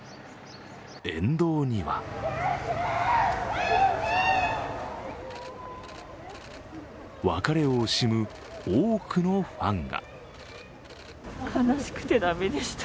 沿道には別れを惜しむ多くのファンが。